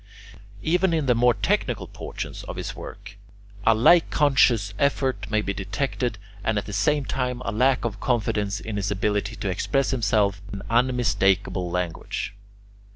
Even in the more technical portions of his work, a like conscious effort may be detected, and, at the same time, a lack of confidence in his ability to express himself in unmistakable language.